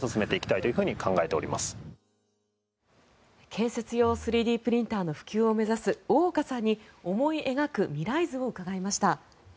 建設用３Ｄプリンターの普及を目指す大岡さんに思い描く未来図を伺いました。